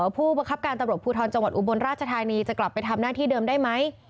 ผู้บังคับการตำรวจภูทรจังหวัดอุบลราชธานีจะกลับไปทำหน้าที่เดิมได้ไหม